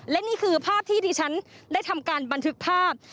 และนี่คือภาพที่ที่ฉันได้ทำการบันทึกภาพ